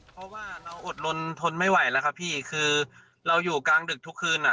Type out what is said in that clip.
เพราะว่าเราอดลนทนไม่ไหวแล้วครับพี่คือเราอยู่กลางดึกทุกคืนอ่ะ